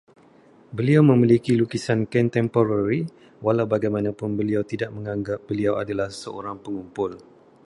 Beliau memiliki lukisan kontemporari, walaubagaimanapun beliau tidak menganggap beliau adalah seorang pengumpul